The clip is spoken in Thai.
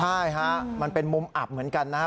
ใช่ฮะมันเป็นมุมอับเหมือนกันนะครับ